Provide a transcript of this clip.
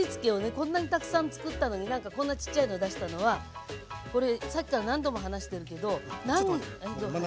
こんなにたくさん作ったのにこんなちっちゃいので出したのはこれさっきから何度も話してるけど。